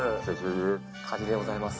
梶でございます。